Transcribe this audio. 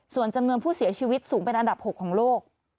ส่วนจำนวนผู้เสียชีวิตสูงเป็นอันดับ๖ของโลก